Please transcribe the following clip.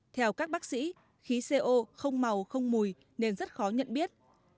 theo các bác sĩ khí co không màu không mùi nên rất khó nhận biết